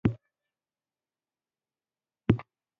پلار ربیټ په ورو غږ وویل چې خپله لکړه مې هیره کړه